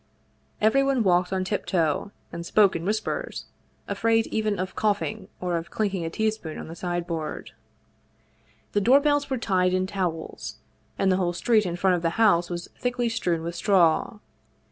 Everyone walked on tiptoe, and spoke in whispers, afraid even of coughing or of clinking a teaspoon on the sideboard. The doorbells were tied in towels, and the whole street in front of the house was thickly strewn with straw.